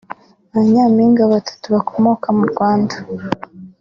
Ba Nyampinga batatu bakomoka mu Rwanda